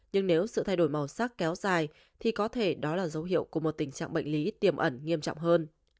nhưng nếu sự thay đổi màu sắc kéo dài thì có thể đó là dấu hiệu của một tình trạng bệnh lý tiềm ẩn nghiêm trọng hơn